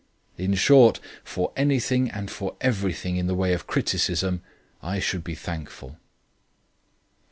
In short, for anything and for everything in the way of criticism I should be thankful.